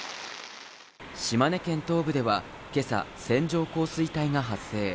島根県東部ではけさ線状降水帯が発生。